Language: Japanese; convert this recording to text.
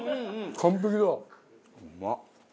完璧だ。